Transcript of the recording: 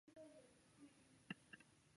林廷圭之子。